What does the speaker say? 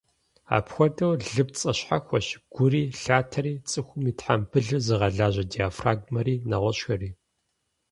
Апхуэдэу, лыпцӏэ щхьэхуэщ гури, лъатэри, цӏыхум и тхьэмбылыр зыгъэлажьэ диафрагмэри, нэгъуэщӏхэри.